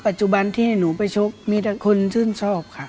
ปัจจุบันที่หนูไปชกมีแต่คนชื่นชอบค่ะ